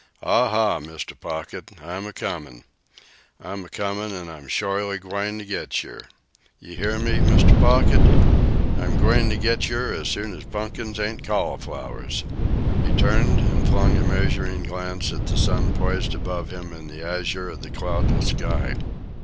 "Ah, ha! Mr. Pocket! I'm a comin', I'm a comin', an' I'm shorely gwine to get yer! You heah me, Mr. Pocket? I'm gwine to get yer as shore as punkins ain't cauliflowers!" He turned and flung a measuring glance at the sun poised above him in the azure of the cloudless sky.